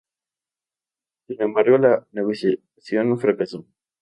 Sin embargo, la negociación fracasó.